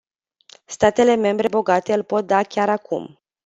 Statele membre bogate îl pot da chiar acum.